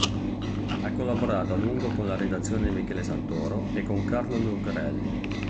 Ha collaborato a lungo con la redazione di Michele Santoro e con Carlo Lucarelli.